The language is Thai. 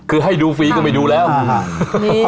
คือให้ดูฟรีก็ไม่ดูแล้ว